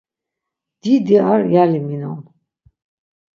Didi ar yali minon.